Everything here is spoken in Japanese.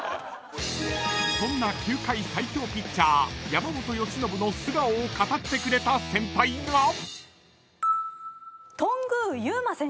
［そんな球界最強ピッチャー山本由伸の素顔を語ってくれた先輩が］